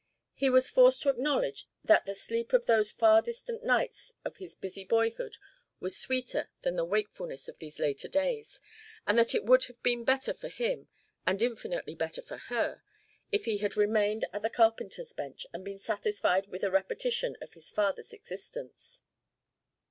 He was forced to acknowledge that the sleep of those far distant nights of his busy boyhood was sweeter than the wakefulness of these later days, and that it would have been better for him, and infinitely better for her, if he had remained at the carpenter's bench and been satisfied with a repetition of his father's existence.